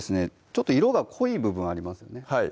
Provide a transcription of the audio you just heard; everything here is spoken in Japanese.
ちょっと色が濃い部分ありますよね